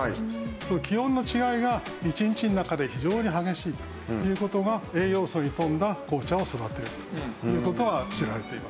その気温の違いが１日の中で非常に激しいという事が栄養素に富んだ紅茶を育てるという事が知られています。